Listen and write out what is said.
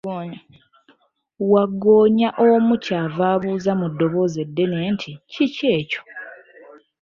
Wagggoonya omu ky'ava abuuza mu ddoboozi eddene nti, Kiki ekyo?